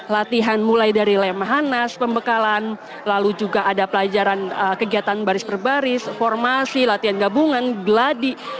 latihan mulai dari lemhanas pembekalan lalu juga ada pelajaran kegiatan baris per baris formasi latihan gabungan geladi